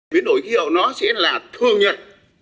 biến đổi khí hậu nó sẽ là thương nhật